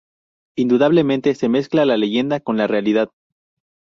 Indudablemente se mezcla la leyenda con la realidad.